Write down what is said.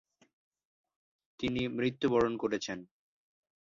তিনি মৃত্যু বরণ করেছেন।